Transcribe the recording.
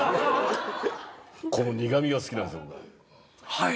はい。